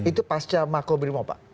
itu pasca makubrimo pak